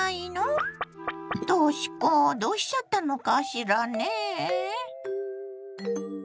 とし子どうしちゃったのかしらねえ？